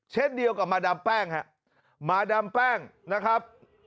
เช่นเดียวกับมาดามแป้งฮะมาดามแป้งนะครับ